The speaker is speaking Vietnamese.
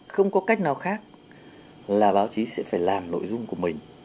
không có cách nào khác là báo chí sẽ phải làm nội dung của mình